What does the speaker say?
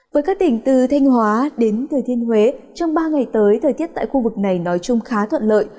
với các tỉnh từ thanh hóa đến thừa thiên huế trong ba ngày tới thời tiết tại khu vực này nói chung khá thuận lợi